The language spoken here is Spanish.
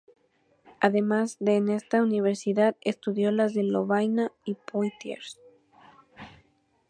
Además de en esta universidad estudió en las de Lovaina y Poitiers.